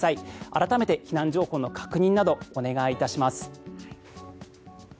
改めて避難情報の確認などお願いいたします。